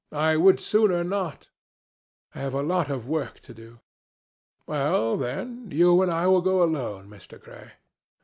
I would sooner not. I have a lot of work to do." "Well, then, you and I will go alone, Mr. Gray."